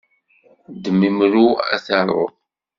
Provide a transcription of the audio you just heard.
Ddem imru ad taruḍ!